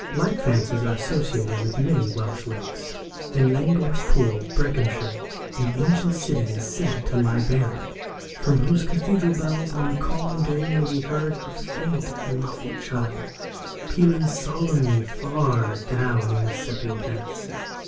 Like fancies are associated with many Welsh lakes. In Langorse Pool, Breconshire, an ancient city is said to lie buried, from whose cathedral bells on a calm day may be heard a faint and muffled chime, pealing solemnly far down in the sepial depths.